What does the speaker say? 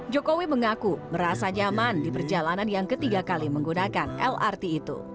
jokowi mengaku merasa nyaman di perjalanan yang ketiga kali menggunakan lrt itu